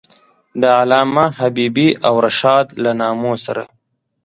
د علامه حبیبي او رشاد له نامو سره.